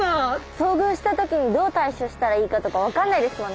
遭遇した時にどう対処したらいいかとか分かんないですもんね。